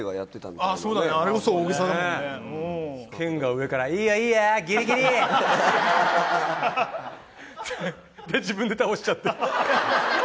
で、自分で倒しちゃって。